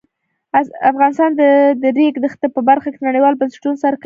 افغانستان د د ریګ دښتې په برخه کې نړیوالو بنسټونو سره کار کوي.